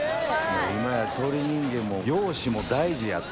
もう今や鳥人間も容姿も大事やと。